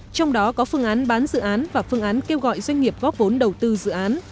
trong đó có phương án bán dự án và phương án kêu gọi doanh nghiệp góp vốn đầu tư dự án